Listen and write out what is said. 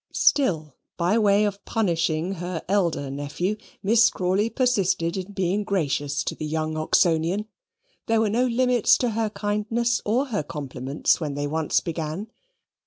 Still, by way of punishing her elder nephew, Miss Crawley persisted in being gracious to the young Oxonian. There were no limits to her kindness or her compliments when they once began.